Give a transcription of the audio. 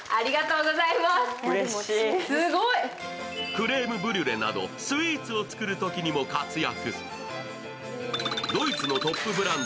クレームブリュレなどスイーツを作るときにも活躍。